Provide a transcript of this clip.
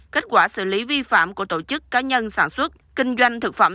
kết quả xử lý vi phạm của tổ chức cá nhân sản xuất kinh doanh thực phẩm